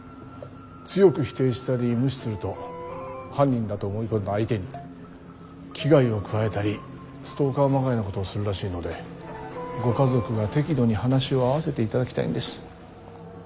強く否定したり無視すると犯人だと思い込んだ相手に危害を加えたりストーカーまがいのことをするらしいのでご家族が適度に話を合わせていただきたいんです。